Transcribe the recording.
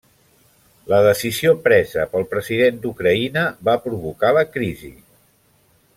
La decisió presa pel president d'Ucraïna va provocar la crisi.